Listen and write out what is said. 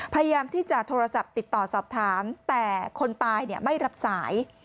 พยายามที่จะโทรศัพท์ติดต่อสอบถามแต่คนตายไม่รับสาย